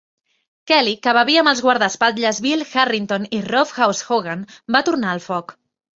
Kelly, que bevia amb els guardaespatlles Bill Harrington i Rough House Hogan, va tornar el foc.